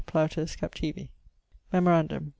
PLAUTUS, Captivi. Memorandum